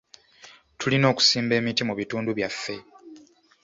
Tulina okusimba emiti mu bitundu byaffe.